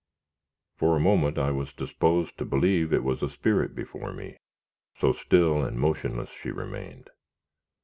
For a moment, I was disposed to believe it was a spirit before me, so still and motionless she remained.